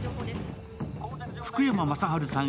福山雅治さん